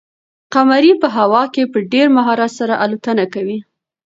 قمري په هوا کې په ډېر مهارت سره الوتنه کوي.